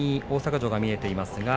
大阪城が見えています。